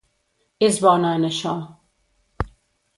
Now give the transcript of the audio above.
És bona en això.